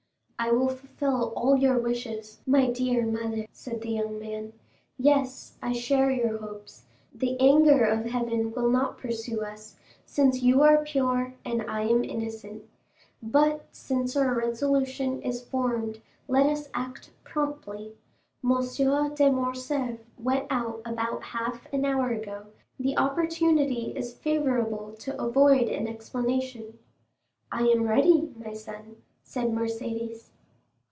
"I will fulfil all your wishes, my dear mother," said the young man. "Yes, I share your hopes; the anger of Heaven will not pursue us, since you are pure and I am innocent. But, since our resolution is formed, let us act promptly. M. de Morcerf went out about half an hour ago; the opportunity is favorable to avoid an explanation." "I am ready, my son," said Mercédès.